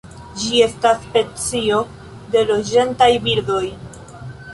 Ĝi estas specio de loĝantaj birdoj.